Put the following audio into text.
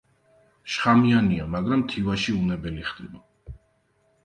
შხამიანია, მაგრამ თივაში უვნებელი ხდება.